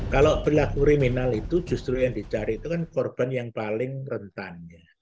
kalau berlaku kriminal itu justru yang dicari itu kan korban yang paling rentan